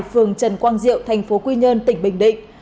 phường trần quang diệu tp quy nhơn tỉnh bình định